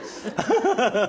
ハハハハ！